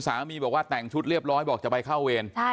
สามีบอกว่าแต่งชุดเรียบร้อยบอกจะไปเข้าเวร